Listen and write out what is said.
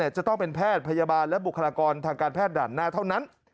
จะต้องเป็นแพทย์พยาบาลและบุคลากรทางการแพทย์ด่านหน้าเท่านั้น